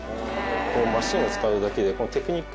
マシンを使うだけで。